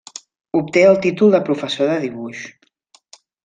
Obté el títol de Professor de dibuix.